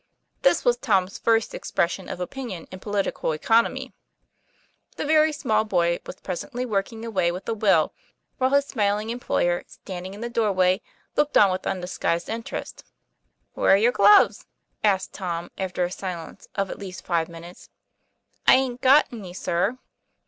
This was Tom's first expression of opinion in political economy. The very small boy was presently working away with a will, while his smiling employer, standing in the doorway, looked on with undisguised interest. "Where's your gloves?" asked Tom, after a silence of at least five minutes. " I aint got any, sir."